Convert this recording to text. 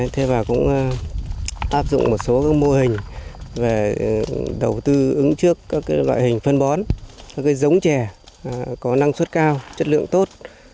thêm vào cũng áp dụng một số mô hình về đầu tư ứng trước các loại hình phân bón các giống trè có năng suất cao chất lượng tốt